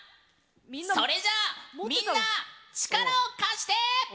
それじゃあみんな力を貸して！